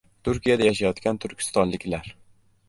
— Turkiyada yashayotgan turkistonliklar